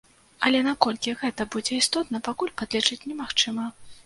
Але наколькі гэта будзе істотна, пакуль падлічыць немагчыма.